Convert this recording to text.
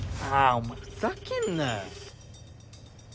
お前ふざけんなよ。